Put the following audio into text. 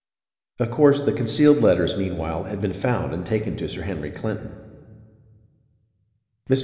Of course the concealed letters, meanwhile, had been found and taken to Sir Henry Clinton. Mr.